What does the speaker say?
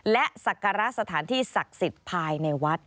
และศักระสถานที่ศักดิ์สิทธิ์ภายในวัด